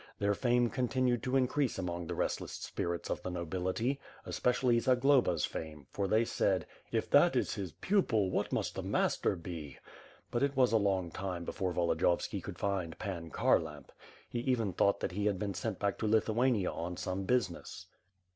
Their fame continued to increase among the restless spirits of the nobility; especially Zagloba's fame, for they said, "if that is his pupil, what must the master be." But it was a long time before Volodiyovski could find Pan Khar lamp — ^he even thought that he had been sent back to Lithu ania on some business.